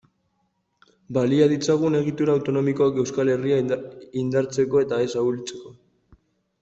Balia ditzagun egitura autonomikoak Euskal Herria indartzeko eta ez ahultzeko.